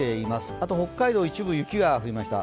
あと北海道、一部、雪が降りました。